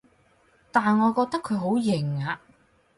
但我覺得佢好型啊